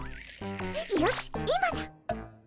よし今だ！